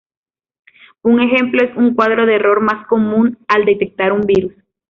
Un ejemplo es un cuadro de error, más común al detectar un virus.